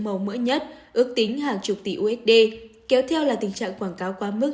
màu mỡ nhất ước tính hàng chục tỷ usd kéo theo là tình trạng quảng cáo quá mức